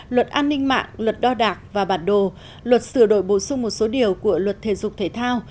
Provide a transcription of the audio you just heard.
luật an ninh mạng luật đo đạc và bản đồ luật sửa đổi bổ sung một số điều của luật thể dục thể thao